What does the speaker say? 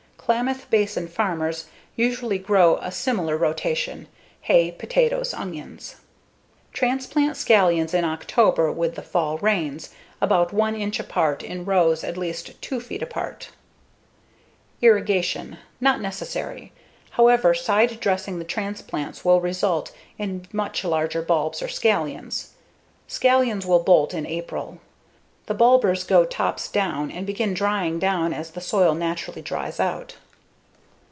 Klamath Basin farmers usually grow a similar rotation: hay, potatoes, onions. Transplant scallions in October with the fall rains, about 1 inch apart in rows at least 2 feet apart. Irrigation: Not necessary. However, side dressing the transplants will result in much larger bulbs or scallions. Scallions will bolt in April; the bulbers go tops down and begin drying down as the soil naturally dries out.